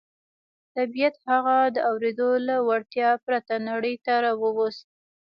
طبيعت هغه د اورېدو له وړتيا پرته نړۍ ته راووست.